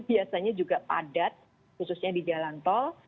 biasanya juga padat khususnya di jalan tol